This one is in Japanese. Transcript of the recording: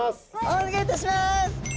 お願いいたします！